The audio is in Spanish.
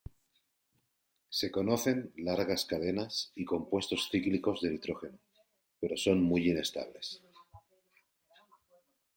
Se conocen largas cadenas y compuestos cíclicos de nitrógeno, pero son muy inestables.